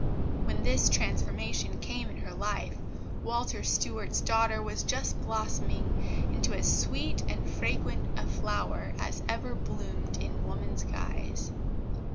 When this transformation came in her life Walter Stuart's daughter was just blossoming into as sweet and fragrant a flower as ever bloomed in woman's guise.